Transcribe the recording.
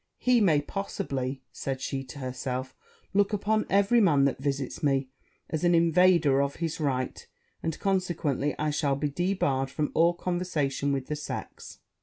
'He may, possibly,' said she to herself, 'look upon every man that visits me as an invader of his right; and, consequently, I shall be debarred from all conversation with the sex.